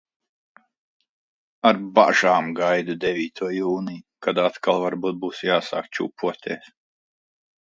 Ar bažām gaidu devīto jūniju, kad atkal varbūt būs jāsāk čupoties.